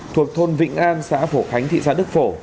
thuộc thôn vĩnh an xã phổ khánh thị xã đức phổ